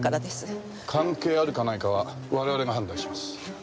関係あるかないかは我々が判断します。